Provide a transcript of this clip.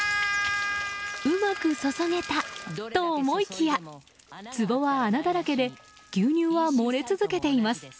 うまく注げたと思いきやつぼは穴だらけで牛乳は漏れ続けています。